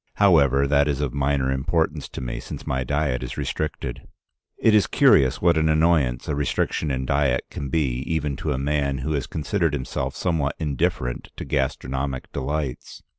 However, that is of minor importance to me, since my diet is restricted. "It is curious what an annoyance a restriction in diet can be even to a man who has considered himself somewhat indifferent to gastronomic delights.